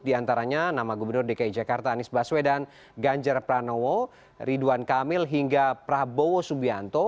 di antaranya nama gubernur dki jakarta anies baswedan ganjar pranowo ridwan kamil hingga prabowo subianto